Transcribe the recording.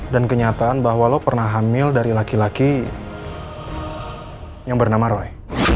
dan kenyataan bahwa lo pernah hamil dari laki laki yang bernama roy